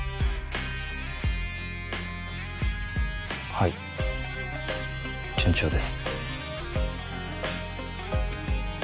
はい順調です